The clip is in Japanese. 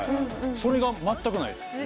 それが全くないです